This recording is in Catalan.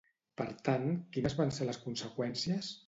Per tant, quines van ser les conseqüències?